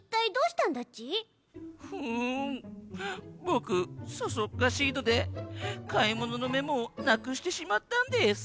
ぼくそそっかしいのでかいもののメモをなくしてしまったんです。